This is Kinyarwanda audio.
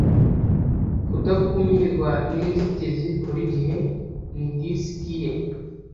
kudakumirwa ninzitizi, burigihe ni disiki ye